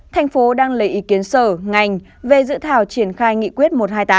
thành phố đang lấy ý kiến sở ngành về dự thảo triển khai nghị quyết một trăm hai mươi tám